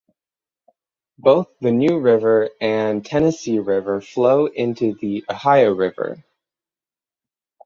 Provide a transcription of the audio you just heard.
Both the New River and Tennessee River flow into the Ohio River.